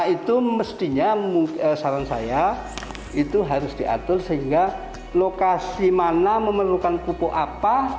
itu mestinya saran saya itu harus diatur sehingga lokasi mana memerlukan pupuk apa